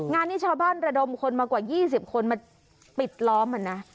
งานนี้ชาวบ้านระดมคนมากว่า๒๐คนมาปิดล้อมนะ